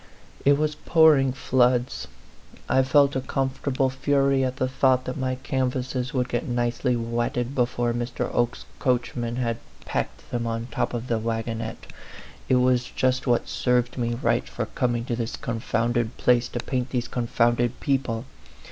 It was pouring floods. I felt a comfortable A PHANTOM LOVER. 11 fury at the thought that my canvases would get nicely wetted before Mr. Oke's coachman had packed them on the top of the wagonette. It was just what served me right for coming to this confounded place to paint these con founded people.